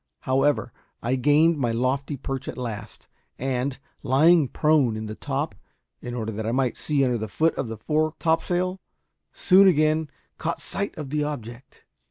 However, I gained my lofty perch at last, and, lying prone in the top in order that I might see under the foot of the fore topsail, soon again caught sight of the object.